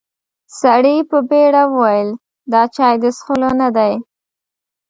سړي په بيړه وويل: دا چای د څښلو نه دی.